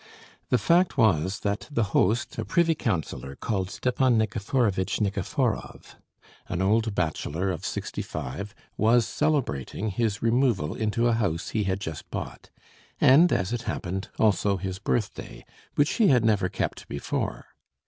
The fact was that the host, a privy councillor called Stepan Nikiforovitch Nikiforov, an old bachelor of sixty five, was celebrating his removal into a house he had just bought, and as it happened, also his birthday, which he had never kept before.